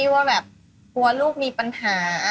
ว่าแบบกลัวลูกมีปัญหา